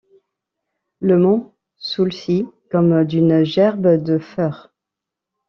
Ie m’en soulcie comme d’une gerbe de feurre!...